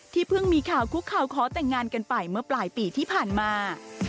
เพิ่งมีข่าวคุกข่าวขอแต่งงานกันไปเมื่อปลายปีที่ผ่านมา